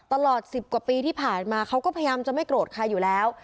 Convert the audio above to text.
ตลอด๑๐กว่าปีที่ผ่านมาเขาก็พยายามจะไม่โกรธใครอยู่แล้ว